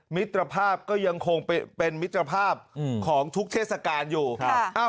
มิตรภาพก็ยังคงเป็นมิตรภาพของทุกเทศกาลอยู่